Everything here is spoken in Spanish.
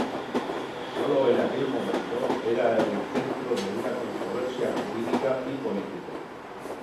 Sólo en aquel momento era el centro de una controversia jurídica y política.